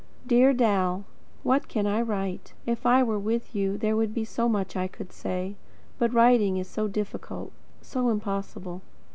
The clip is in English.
Dear Dal: What CAN I write? If I were with you, there would be so much I could say; but writing is so difficult, so impossible.